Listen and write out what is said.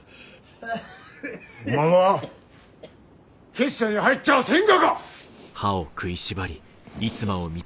おまんは結社に入っちゃあせんがか？